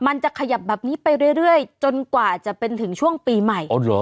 มันจะขยับแบบนี้ไปเรื่อยเรื่อยจนกว่าจะเป็นถึงช่วงปีใหม่อ๋อเหรอ